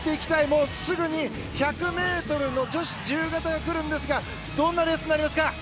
もうすぐに１００ｍの女子自由形が来ますがどんなレースになりますか？